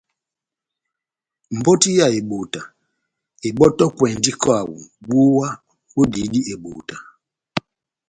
Mbɔti ya ebota ebɔ́tɔkwɛndi kaho búwa bodihidi ebota.